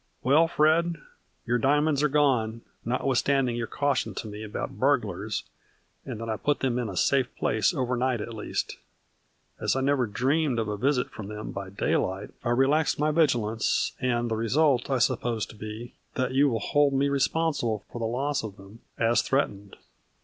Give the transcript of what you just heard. " Well, Fred, your diamonds are gone, not withstanding your caution to me about burglars, and that I put them in a safe place over night at least. As I never dreamed of a visit from them by daylight, I relaxed my vigil ance, and the result I suppose to be, that you wild hold me responsible for the loss of them, as threatened.